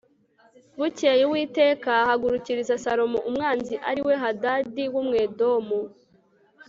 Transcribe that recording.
bukeye uwiteka ahagurukiriza salomo umwanzi ari we hadadi w'umwedomu